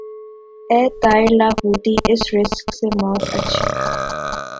اے طائر لاہوتی اس رزق سے موت اچھی